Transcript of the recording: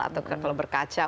atau kalau berkaca